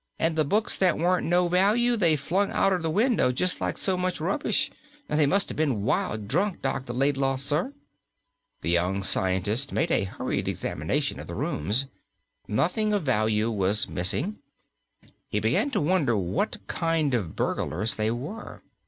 And the books that weren't no value they flung out er the window just like so much rubbish. They must have been wild drunk, Dr. Laidlaw, sir!" The young scientist made a hurried examination of the rooms. Nothing of value was missing. He began to wonder what kind of burglars they were.